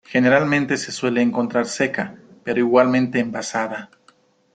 Generalmente se suele encontrar seca, pero igualmente envasada.